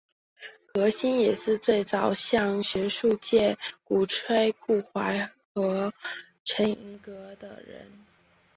何新也是最早向学术界鼓吹顾准和陈寅恪的人。